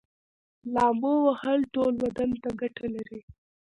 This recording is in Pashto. لامبو وهل ټول بدن ته ګټه لري